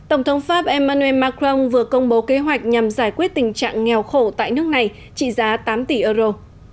tổng thống pháp emmanuel macron vừa công bố kế hoạch nhằm giải quyết tình trạng nghèo khổ tại nước này trị giá tám tỷ euro